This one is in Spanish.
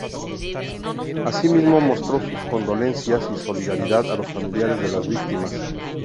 Asimismo, mostró sus condolencias y solidaridad a los familiares de las víctimas.